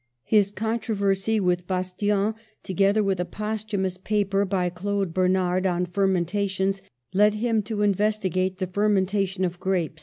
His controversy with Bastian, together with a posthumous pa per by Claude Bernard on ferm^entaticns, led him to investigate the fermentation of grapes.